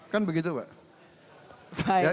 kan begitu pak